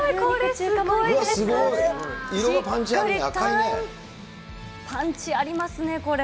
しっかりパンチありますね、これ。